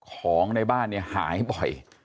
ของในบ้านเนี่ยหายบ่อย